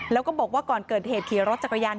แล้วก็บอกว่าก่อนเกิดเหตุขี่รถจักรยาน